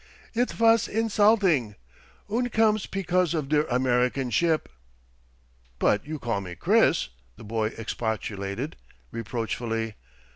It vas insulting, und comes pecause of der American ship!" "But you call me 'Chris'!" the boy expostulated, reproachfully.